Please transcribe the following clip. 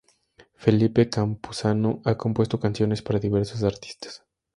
Felipe Campuzano ha compuesto canciones para diversos artistas.